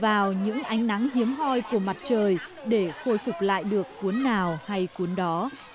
vào những ánh nắng hiếm hoi của mặt trời để khôi phục lại được cuốn nào hay cuốn đó